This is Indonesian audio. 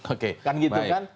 oke kan gitu kan